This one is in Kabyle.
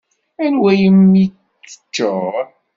Anwa iwimi teččur?